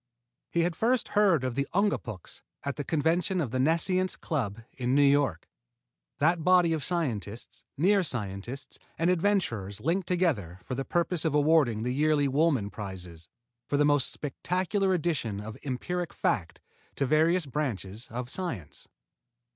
He had first heard of the Ungapuks at the convention of the Nescience Club in New York, that body of scientists, near scientists and adventurers linked together for the purpose of awarding the yearly Woolman prizes for the most spectacular addition of empiric facts to various branches of science.